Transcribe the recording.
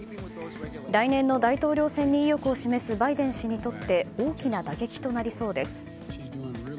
来年の大統領選に意欲を示すバイデン氏にとって大きな打撃となりそうです。